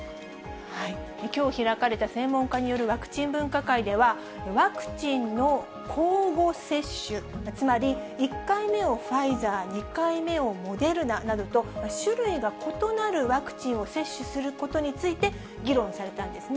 きょう開かれた専門家によるワクチン分科会では、ワクチンの交互接種、つまり１回目をファイザー、２回目をモデルナなどと、種類が異なるワクチンを接種することについて、議論されたんですね。